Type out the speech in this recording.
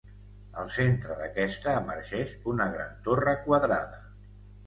Al centre d'aquesta emergeix una gran torre quadrada.